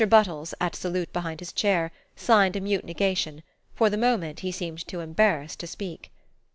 Buttles, at salute behind his chair, signed a mute negation: for the moment he seemed too embarrassed to speak.